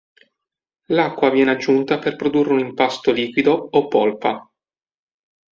L'acqua viene aggiunta per produrre un impasto liquido o "polpa".